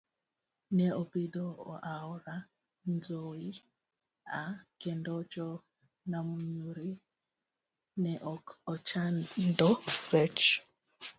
Ne opidho aora Nzoia kendo jo Namunyiri ne ok ochando rech.